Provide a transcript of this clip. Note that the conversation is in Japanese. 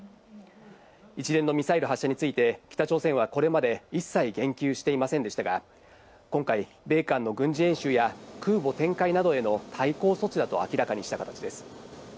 一連のミサイル発射について北朝鮮はこれまで一切言及していませんでしたが、今回、米韓の軍事演習や空母展開などへの対抗措置だと明らかにした形です。